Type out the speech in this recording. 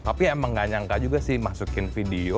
tapi emang gak nyangka juga sih masukin video